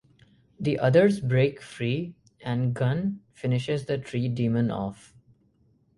The others break free, and Gunn finishes the tree demon off.